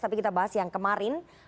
tapi kita bahas yang kemarin